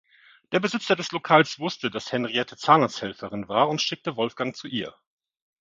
Der Besitzer des Lokals wusste, dass Henriette Zahnarzthelferin war, und schickte Wolfgang zu ihr.